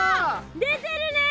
出てるね。